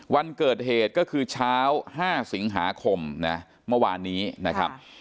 วันเกิดเหตุก็คือเช้า๕สิงหาคมนะเมื่อวานนี้นะครับ